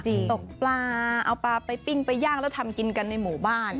ตกปลาเอาปลาไปปิ้งไปย่างแล้วทำกินกันในหมู่บ้าน